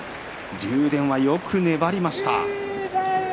竜電はよく粘りました。